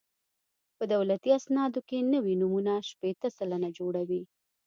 په دولتي اسنادو کې نوي نومونه شپېته سلنه جوړوي